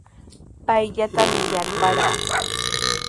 Payllatami yarparaa.